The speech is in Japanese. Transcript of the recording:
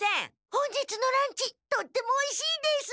本日のランチとってもおいしいです！